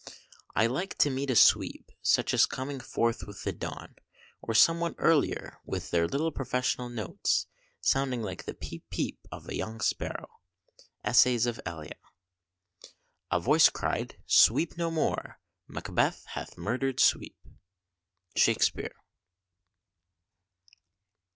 "I like to meet a sweep such as come forth with the dawn, or somewhat earlier, with their little professional notes, sounding like the peep, peep, of a young sparrow." ESSAYS OF ELIA. "A voice cried Sweep no more! Macbeth hath murdered sweep." SHAKSPEARE.